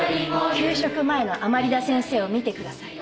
給食前の甘利田先生を見てください。